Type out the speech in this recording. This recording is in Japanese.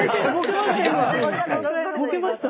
ボケました？